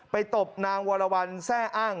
ตบนางวรวรรณแทร่อ้าง